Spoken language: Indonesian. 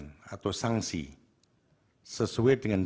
mendapatkan tafsir hanya yang sama